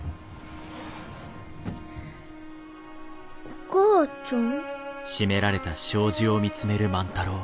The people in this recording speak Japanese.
お母ちゃん？